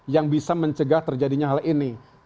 yang bisa mencegah terjadinya hal ini